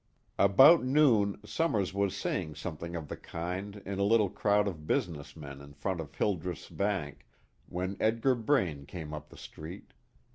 About noon Summers was saying something of the kind in a little crowd of business men in front of Hildreth's bank, when Edgar Braine came up the street.